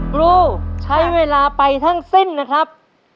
ครูใช้เวลาไปทั้งสิ้นนะครับ